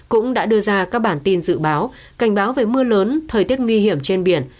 cũng đã đưa ra các bản tin dự báo cảnh báo về mưa lớn thời tiết nguy hiểm trên biển